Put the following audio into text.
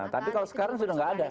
tapi kalau sekarang sudah tidak ada